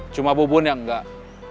cuma bubun yang enggak